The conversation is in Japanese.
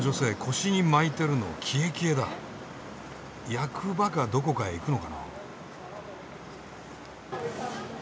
役場かどこかへ行くのかな。